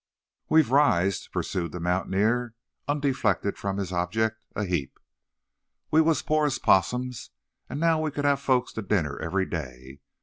"We've riz," pursued the mountaineer, undeflected from his object, "a heap. We was pore as possums, and now we could hev folks to dinner every day.